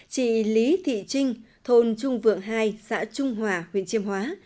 chị lý thị trinh thôn trung vượng hai xã trung hòa huyện chiêm hóa